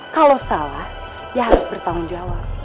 kalau salah ya harus bertanggung jawab